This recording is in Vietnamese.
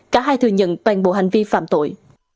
cả hai thừa nhận toàn bộ hành vi phạm tội